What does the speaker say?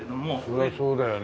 そりゃそうだよね。